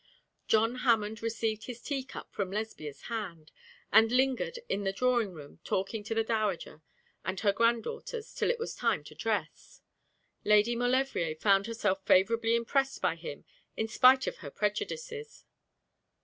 John Hammond received his tea cup from Lesbia's hand, and lingered in the drawing room talking to the dowager and her granddaughters till it was time to dress. Lady Maulevrier found herself favourably impressed by him in spite of her prejudices.